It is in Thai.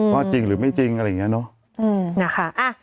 ว่าจริงหรือไม่จริงอะไรอย่างนี้เนอะนะคะ